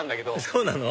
そうなの？